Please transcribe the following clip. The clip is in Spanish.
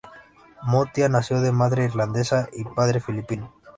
Mutya nació de madre irlandesa y padre filipino.